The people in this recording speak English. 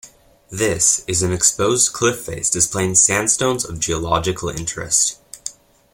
This is an exposed cliff face displaying sandstones of geological interest.